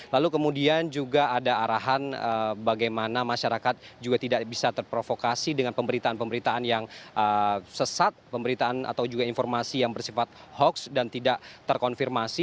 lalu kemudian juga ada arahan bagaimana masyarakat juga tidak bisa terprovokasi dengan pemberitaan pemberitaan yang sesat pemberitaan atau juga informasi yang bersifat hoax dan tidak terkonfirmasi